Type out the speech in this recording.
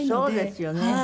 そうですよね。